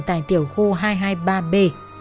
tại tiểu khu hai trăm hai mươi ba b